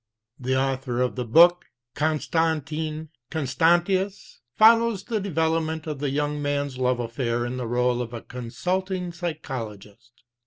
The author of the book, Constantin Constantius, follows the development of the young man's love affair in the role of a consulting psychologist.